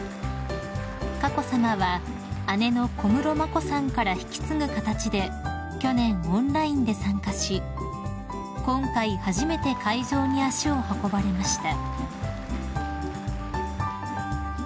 ［佳子さまは姉の小室眞子さんから引き継ぐ形で去年オンラインで参加し今回初めて会場に足を運ばれました］